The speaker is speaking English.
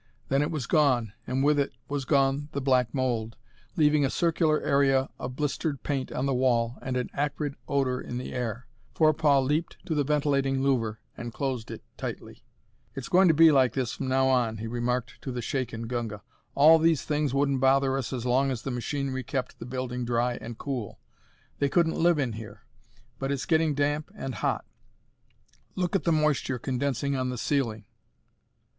Then it was gone, and with it was gone the black mold, leaving a circular area of blistered paint on the wall and an acrid odor in the air. Forepaugh leaped to the ventilating louver and closed it tightly. "It's going to be like this from now on," he remarked to the shaken Gunga. "All these things wouldn't bother us as long as the machinery kept the building dry and cool. They couldn't live in here. But it's getting damp and hot. Look at the moisture condensing on the ceiling!"